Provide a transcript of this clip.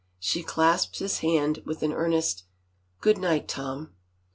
She clasped his hand with an earnest, " Good night, Tom."